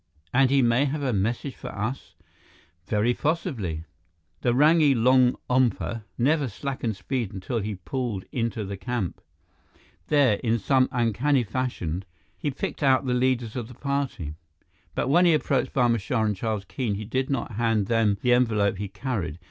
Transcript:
"And he may have a message for us?" "Very possibly." The rangy longompa never slackened speed until he pulled into the camp. There, in some uncanny fashion, he picked out the leaders of the party. But when he approached Barma Shah and Charles Keene, he did not hand them the envelope he carried.